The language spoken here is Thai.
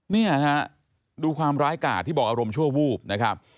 เนี่ยฮะดูความร้ายกาดที่บอกอารมณ์ชั่ววูบนะครับ